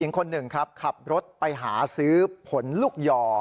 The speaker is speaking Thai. อีกอย่างคนหนึ่งขับรถไปหาซื้อผลลูกหย่อ